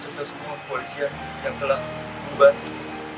serta semua polisian yang telah dibati